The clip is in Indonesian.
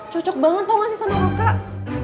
cocok banget tau gak sih sama kakak